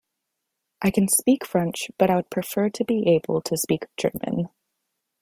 I can speak French, but I would prefer to be able to speak German